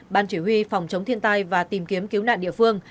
ban chỉ huy phòng chống thiên tai và tìm kiếm cứu nạn địa phương